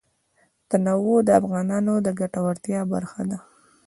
تنوع د افغانانو د ګټورتیا برخه ده.